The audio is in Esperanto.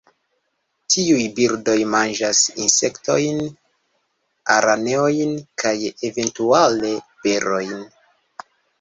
Tiuj birdoj manĝas insektojn, araneojn kaj eventuale berojn.